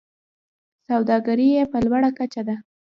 سوداګري یې په لوړه کچه ده.